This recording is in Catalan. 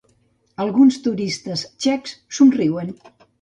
Alguns turistes txecs somriuen.